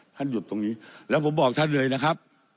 หยุดตรงนี้แล้วผมบอกท่านเลยนะครับ